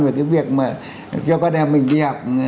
về cái việc mà cho con em mình đi học